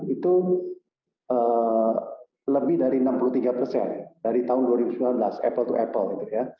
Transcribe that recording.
itu lebih dari enam puluh tiga persen dari tahun dua ribu sembilan belas apple to apple gitu ya